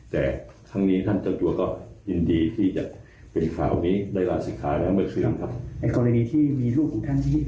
แต่ทั้งนี้ท่านเจ้าจัวก็ยินดีที่จะเป็นคราวนี้ได้ราชินค้าแล้วเมื่อคืนครับ